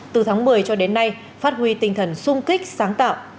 từ tháng một mươi cho đến nay phát huy tinh thần sung kích sáng tạo